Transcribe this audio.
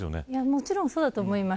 もちろんそうだと思います。